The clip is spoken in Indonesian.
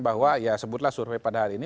bahwa ya sebutlah survei pada hari ini